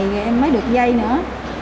thì em mới được dây nữa